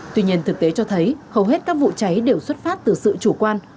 tuy nhiên thực tế cho thấy hầu hết các vụ cháy đều xuất phát từ sự chủ quan